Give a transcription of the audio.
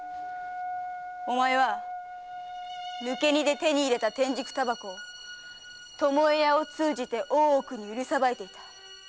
お前は抜け荷で手に入れた天竺煙草を巴屋を通じて大奥に売りさばいていた。